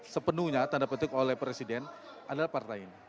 sepenuhnya tanda petik oleh presiden adalah partai ini